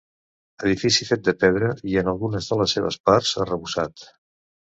Edifici fet de pedra i en algunes de les seves parts, arrebossat.